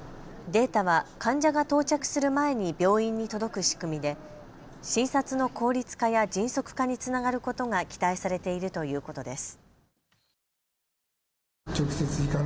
データは患者が到着する前に病院に届く仕組みで診察の効率化や迅速化につながることが期待されているということです。